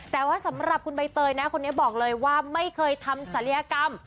แต่ว่าสำหรับคุณใบเตยนะคนนี้บอกเลยว่าไม่เคยทำศัลยกรรม